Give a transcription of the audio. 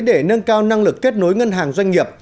để nâng cao năng lực kết nối ngân hàng doanh nghiệp